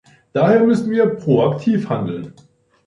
Daher müssen wir proaktiv handeln.